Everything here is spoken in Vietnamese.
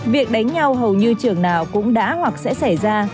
việc đánh nhau hầu như trường nào cũng đã hoặc sẽ xảy ra